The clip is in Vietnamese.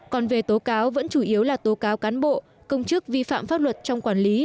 còn về tố cáo vẫn chủ yếu là tố cáo cán bộ công chức vi phạm pháp luật trong quản lý